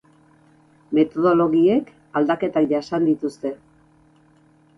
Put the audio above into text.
Metodologiek aldaketak jasan dituzte.